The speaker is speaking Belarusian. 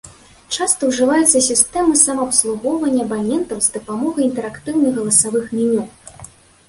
Часта ўжываюцца сістэмы самаабслугоўвання абанентаў з дапамогай інтэрактыўных галасавых меню.